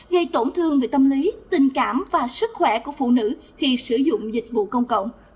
gây tổn thương về tâm lý tình cảm và sức khỏe của phụ nữ khi sử dụng dịch vụ công cộng